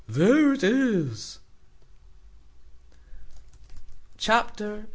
there it is." Chapter vi.